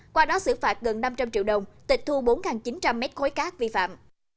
qua đó xử phạt gần năm trăm linh triệu đồng tịch thu bốn chín trăm linh mét khối cát vi phạm